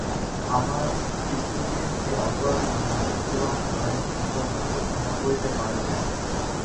আমার পিতৃগৃহের সেই অপরাধ আমার শ্বশুরবংশ অনেক দিন পর্যন্ত ক্ষমা করিতে পারেন নাই।